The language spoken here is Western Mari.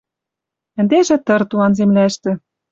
Ӹндежӹ тыр туан земляштӹ.